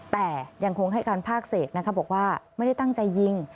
แต่ยังคงให้การภาคเศษนะคะบอกว่าไม่ได้ตั้งใจยิง